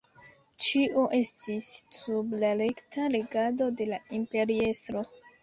Ĉio estis sub la rekta regado de la imperiestro.